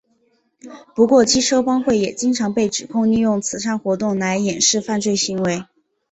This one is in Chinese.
不过机车帮会也经常被指控利用慈善活动来掩饰犯罪行为。